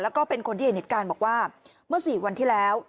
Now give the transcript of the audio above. แล้วก็เป็นคนที่เห็นเหตุการณ์บอกว่าเมื่อ๔วันที่แล้ว